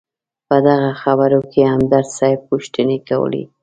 په دغه خبرو کې همدرد صیب پوښتنې کولې.